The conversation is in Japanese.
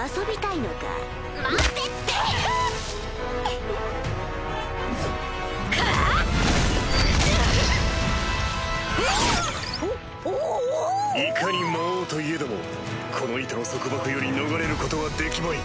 いかに魔王といえどもこの糸の束縛より逃れることはできまい。